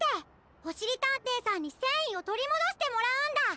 おしりたんていさんにせんいをとりもどしてもらうんだ！